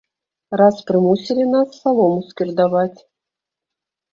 Раз прымусілі нас салому скірдаваць.